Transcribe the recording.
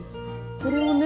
これをね